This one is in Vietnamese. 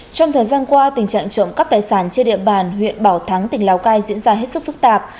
trong thời gian qua tình trạng trộm cắp tài sản trên địa bàn huyện bảo thắng tỉnh lào cai diễn ra hết sức phức tạp